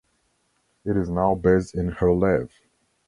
It is now based in Herlev.